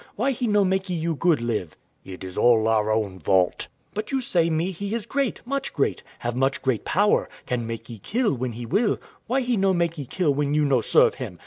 Why He no makee you good live? W.A. It is all our own fault. Wife. But you say me He is great, much great, have much great power; can makee kill when He will: why He no makee kill when you no serve Him?